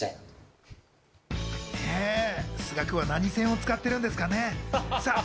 須賀君は何線を使ってるんですかね？